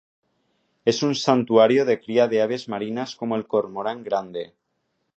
Es un santuario de cría de aves marinas como el cormorán grande.